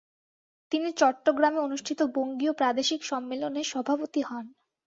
তিনি চট্টগ্রামে অনুষ্ঠিত বঙ্গীয় প্রাদেশিক সম্মেলনে সভাপতি হন।